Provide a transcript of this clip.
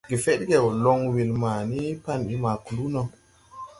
Gefedgew loŋ weel ma ni pan bi ma kluu no.